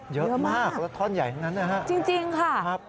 เยอะมากแล้วต้นใหญ่เหมือนกันน่ะฮะจริงจริงค่ะครับ